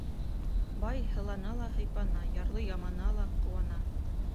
Бай һылана ла һыйпана, ярлы ямана ла ҡыуана.